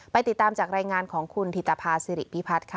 ติดตามจากรายงานของคุณธิตภาษิริพิพัฒน์ค่ะ